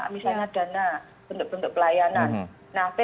misalnya dana bentuk bentuk pelayanan